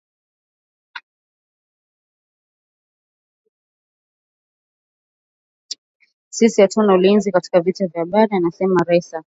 Sisi hatuna ulinzi katika vita vya habari anasema Ressa